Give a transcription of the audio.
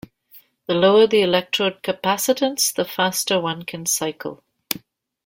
The lower the electrode capacitance the faster one can cycle.